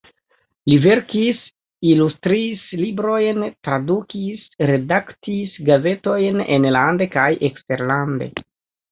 Li verkis, ilustris librojn, tradukis, redaktis gazetojn enlande kaj eksterlande.